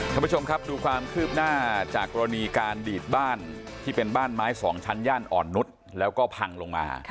ท่านผู้ชมครับดูความคืบหน้าจากกรณีการดีดบ้านที่เป็นบ้านไม้สองชั้นย่านอ่อนนุษย์แล้วก็พังลงมา